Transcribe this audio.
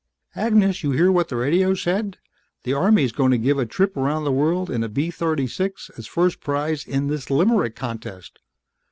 "... Agnes, you hear what the radio said! The Army's gonna give a trip around the world in a B 36 as first prize in this limerick contest.